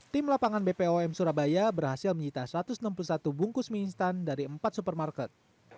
tim lapangan bpom surabaya berhasil menyita satu ratus enam puluh satu bungkus mie instan dari empat supermarket